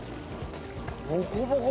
ボコボコ